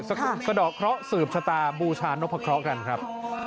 สะดอกเคราะห์สืบชะตาบูชานพะเคราะห์กันครับ